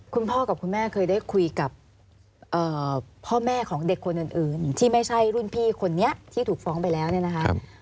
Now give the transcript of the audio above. คุณพ่อกับคุณแม่เคยได้คุยกับพ่อแม่ของเด็กคนอื่นที่ไม่ใช่รุ่นพี่คนนี้ที่ถูกฟ้องไปแล้วเนี่ยนะคะ